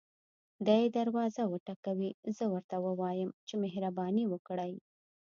دی دروازه وټکوي زه ورته ووایم چې مهرباني وکړئ.